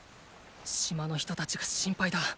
島の人たちが心配だ。